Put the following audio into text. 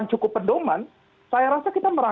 cukup kebijakan gede